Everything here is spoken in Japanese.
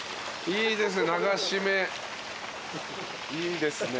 いいです。